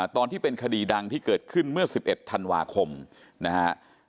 ตอนที่เป็นคดีดังที่เกิดขึ้นเมื่อ๑๑ธันวาคมนะฮะ